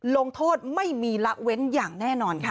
ลงโทษไม่มีละเว้นอย่างแน่นอนค่ะ